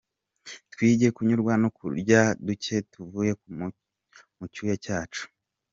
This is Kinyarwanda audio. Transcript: Twige kunyurwa no kurya duke tuvuye mucyuya cyacu.